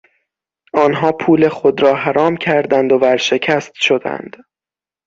آنها پول خود را حرام کردند و ورشکست شدند.